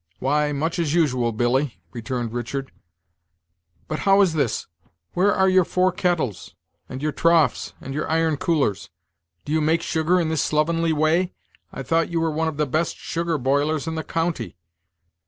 "Why, much as usual, Billy," returned Richard. "But how is this? where are your four kettles, and your troughs, and your iron coolers? Do you make sugar in this slovenly way? I thought you were one of the best sugar boilers in the county."